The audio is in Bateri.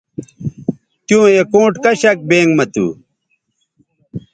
تیوں اکاؤنٹ کشک بینک مہ تھو